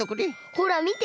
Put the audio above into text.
ほらみて。